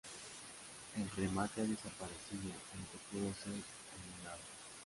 El remate ha desaparecido, aunque pudo ser almenado.